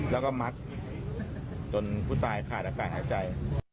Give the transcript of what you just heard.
แล้วก็มัดจนผู้ตายขาดอากาศหายใจ